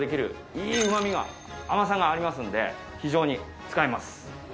いいうま味甘さがありますんで非常に使います。